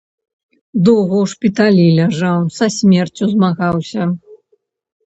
Доўга ў шпіталі ляжаў, са смерцю змагаўся.